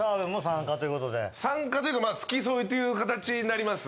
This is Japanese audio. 参加というか付き添いというかたちになります。